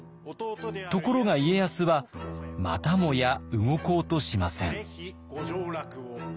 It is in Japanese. ところが家康はまたもや動こうとしません。